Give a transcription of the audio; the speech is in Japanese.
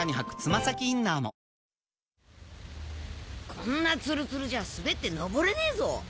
こんなツルツルじゃ滑って登れねえぞ。